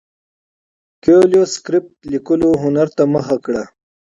کویلیو د سکرېپټ لیکلو هنر ته مخه کړه.